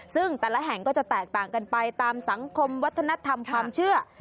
ซึ่งแต่ละแห่งก็จะแตกต่างกันไปตามสังคมวัฒนธรรมความเชื่อ